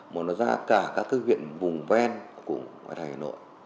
mà nó ra cả các cơ viện vùng ven của ngoài thành hà nội